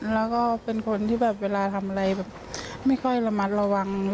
แล้วก็เป็นคนที่แบบเวลาทำอะไรแบบไม่ค่อยระมัดระวัง